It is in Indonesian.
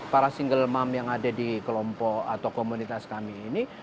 para single mom yang ada di kelompok atau komunitas kami ini